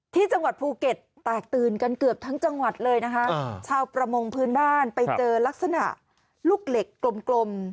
ที่จังหวัดภูเก็ตแตกตื่นกันเกือบทั้งจังหวัดเลยนะคะชาวประมงพื้นบ้านไปเจอลักษณะลูกเหล็กกลม